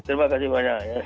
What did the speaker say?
terima kasih banyak ya